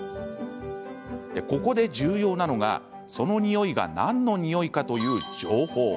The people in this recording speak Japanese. ここで重要なのがその匂いが何の匂いかという情報。